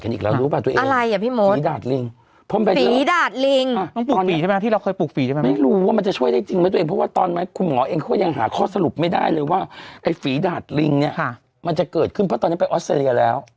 เกิดขึ้นเพราะตอนนี้ไปออสเตรียแล้ว